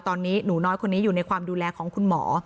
ตอนนี้หนูน้อยคนนี้อยู่ในความดูแลของคุณหมอ